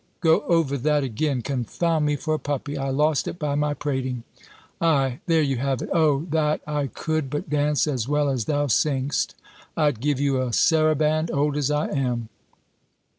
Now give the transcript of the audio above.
Go over that again Confound me for a puppy! I lost it by my prating. Ay, there you have it! Oh! that I could but dance as well as thou sing'st! I'd give you a saraband, old as I am."